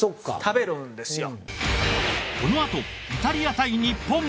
このあとイタリア対日本！？